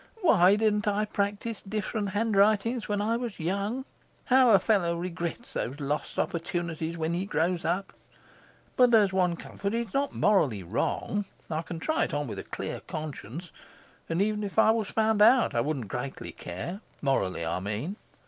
Why didn't I practise different handwritings while I was young? How a fellow regrets those lost opportunities when he grows up! But there's one comfort: it's not morally wrong; I can try it on with a clear conscience, and even if I was found out, I wouldn't greatly care morally, I mean.